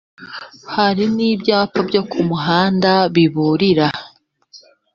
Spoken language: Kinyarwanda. hari n’ibyapa byo ku muhanda biburira